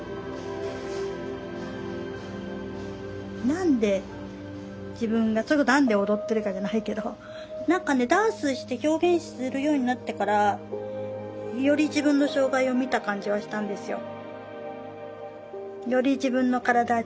何で自分が何で踊ってるかじゃないけど何かねダンスして表現するようになってからより自分の障害を見た感じはしたんですよ。